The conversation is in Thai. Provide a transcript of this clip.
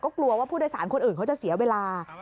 กลัวว่าผู้โดยสารคนอื่นเขาจะเสียเวลา